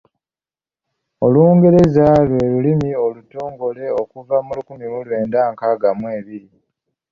Olungereza lwe lulimi olutongole okuva mu lukumi mu lwenda nkaaga mu ebiri.